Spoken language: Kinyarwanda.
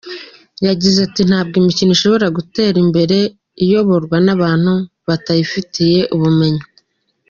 Yagize ati “Ntabwo imikino ishobora gutera imbere iyoborwa n’abantu batayifiteho ubumenyi.